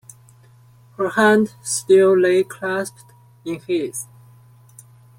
Her hand still lay clasped in his.